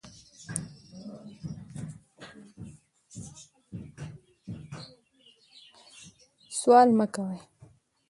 سوال مه کوئ